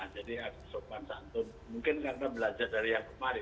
jadi sopan satu mungkin karena belajar dari yang kemarin